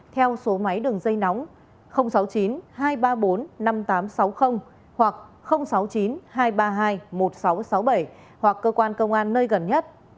theo số máy đường dây nóng sáu mươi chín hai trăm ba mươi bốn năm nghìn tám trăm sáu mươi hoặc sáu mươi chín hai trăm ba mươi hai một nghìn sáu trăm sáu mươi bảy hoặc cơ quan công an nơi gần nhất